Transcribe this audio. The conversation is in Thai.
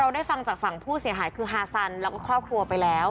ได้ฟังจากฝั่งผู้เสียหายคือฮาซันแล้วก็ครอบครัวไปแล้ว